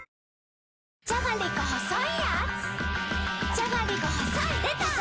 じゃがりこ細いやーつ